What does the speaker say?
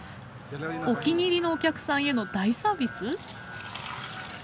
お気に入りのお客さんへの大サービス？